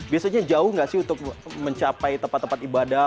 biasanya jauh nggak sih untuk mencapai tempat tempat ibadah